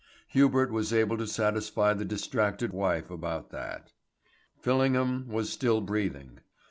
Hubert was able to satisfy the distracted wife on that head. Fillingham was still breathing.